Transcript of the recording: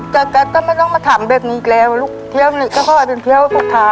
แต่กัดต้องไม่ต้องมาถามเจ้าคนเนี้ยอีกแล้วท่ามันก็กลับมาเป็นเที่ยว